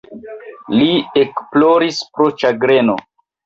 Li ekploris pro ĉagreno.